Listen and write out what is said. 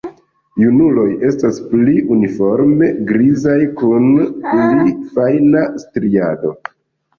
Junuloj estas pli uniforme grizaj kun pli fajna striado.